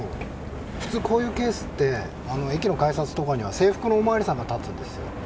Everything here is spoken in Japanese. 普通こういうケースって駅の改札には制服のお巡りさんが立つんですよ。